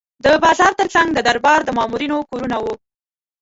د بازار ترڅنګ د دربار د مامورینو کورونه وو.